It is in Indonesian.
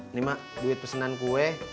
ini ma duit pesenan kue